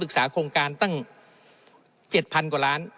ปรึกษาโครงการตั้ง๗๐๐๐กว่าล้าน